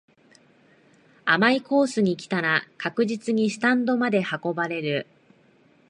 甘いコースに来たら確実にスタンドまで運ばれる